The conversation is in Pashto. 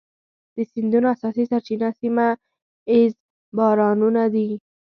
د سیندونو اساسي سرچینه سیمه ایز بارانونه دي.